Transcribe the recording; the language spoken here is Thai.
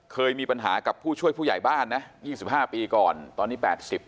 เคยมีปัญหากับผู้ช่วยผู้ใหญ่บ้านนะยี่สิบห้าปีก่อนตอนนี้แปดสิบ